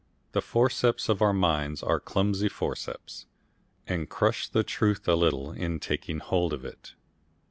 The forceps of our minds are clumsy forceps, and crush the truth a little in taking hold of it.